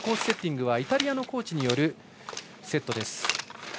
セッティングはイタリアのコーチによるセット。